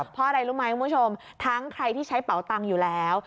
เพราะอะไรรู้ไหมคุณผู้ชมทั้งใครที่ใช้เป๋าตังค์อยู่แล้ว